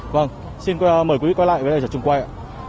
vâng xin mời quý vị quay lại với lời trật trung quay ạ